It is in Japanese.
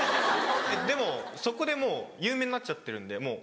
でもそこでもう有名になっちゃってるんでもう。